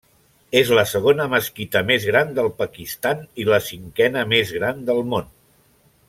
És la segona mesquita més gran del Pakistan i la cinquena més gran del món.